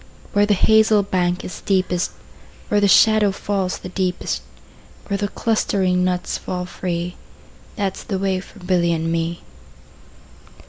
Where the hazel bank is steepest, Where the shadow falls the deepest, Where the clustering nuts fall free, 15 That 's the way for Billy and me.